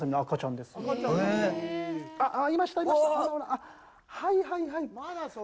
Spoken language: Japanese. あっ、はいはいはい。